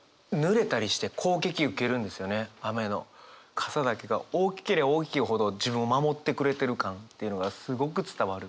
傘だけが大きけりゃ大きいほど自分を守ってくれてる感っていうのがすごく伝わる。